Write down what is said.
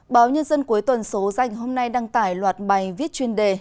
báo nhân dân cuối tuần số danh hôm nay đăng tải loạt bài viết chuyên đề